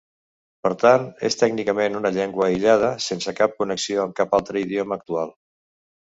Per tant, és tècnicament una llengua aïllada, sense cap connexió amb cap altre idioma actual.